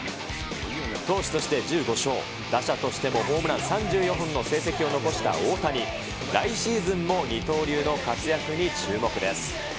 投手として１５勝、打者としてもホームラン３４本の成績を残した大谷。来シーズンも二刀流の活躍に注目です。